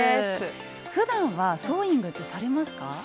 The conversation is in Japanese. ふだんはソーイングってされますか？